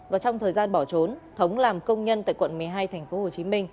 và trong thời gian bỏ trốn thống làm công nhân tại quận một mươi hai tp hcm